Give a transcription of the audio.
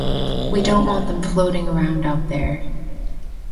We don’t want them floating around out there.